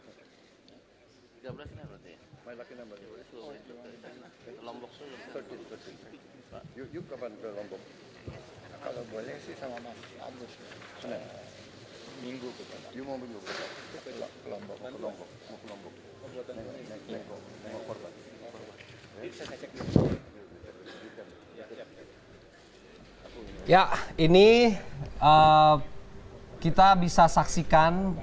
pada saat ini kita bisa saksikan